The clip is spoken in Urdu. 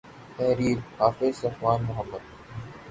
تحریر :حافظ صفوان محمد